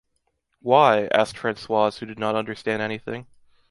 “Why?”, asked Françoise who did not understand anything.